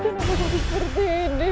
kenapa jadi seperti ini